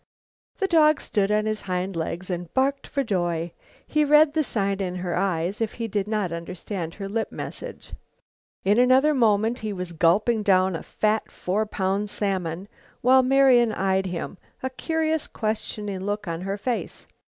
The dog stood on his hind legs and barked for joy. He read the sign in her eyes if he did not understand her lip message. In another moment he was gulping down a fat, four pound salmon, while Marian eyed him, a curious questioning look on her face.